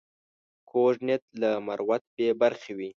کوږ نیت له مروت بې برخې وي